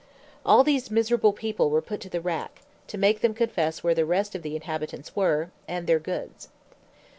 All these miserable people were put to the rack, to make them confess where the rest of the inhabitants were, and their goods.